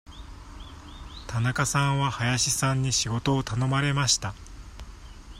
田中さんは林さんに仕事を頼まれました。